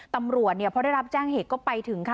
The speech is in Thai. ตำรวจเนี่ยเพราะได้รับแจ้งเหตุก็ไปถึงค่ะ